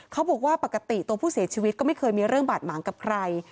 เขาบอกว่าปกติตัวผู้เสียชีวิตก็ไม่เคยมีเรื่องบาดหมางกับใคร